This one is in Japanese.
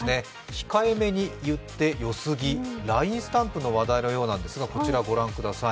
控えめにいって良すぎ、ＬＩＮＥスタンプの話題のようなんですがこちらをご覧ください。